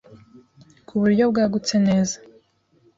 ku buryo bwagutse neza